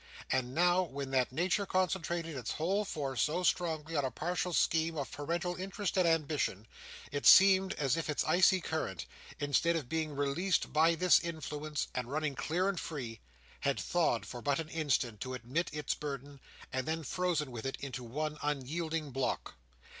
And now, when that nature concentrated its whole force so strongly on a partial scheme of parental interest and ambition, it seemed as if its icy current, instead of being released by this influence, and running clear and free, had thawed for but an instant to admit its burden, and then frozen with it into one unyielding block.